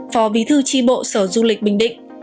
phó bí thư tri bộ sở du lịch bình định